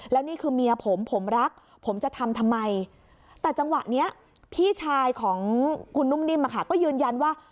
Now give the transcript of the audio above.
แล้วนี่คือเมียผมผมรักผมจะทำทำไมแต่จังหวะนี้พี่ชายของคุณนุ่มนิ่มก็ยืนยันว่า